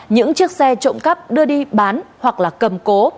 những chiếc xe trộm cắp đưa đi bán hoặc là cầm cố